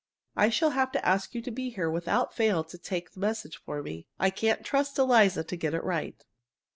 I shall have to ask you to be here without fail to take the message for me. I can't trust Eliza to get it right.